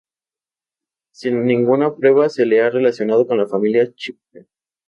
Sin ninguna prueba se la ha relacionado con la familia Chibcha.